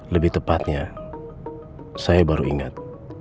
lebih tepatnya saya baru ingat